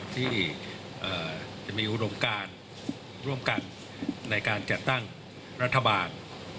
ที่มีอุดมการร่วมกันในการจัดตั้งรัฐบาล